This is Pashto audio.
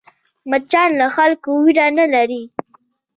مچان له خلکو وېره نه لري